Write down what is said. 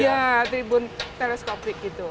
iya tribun teleskopik gitu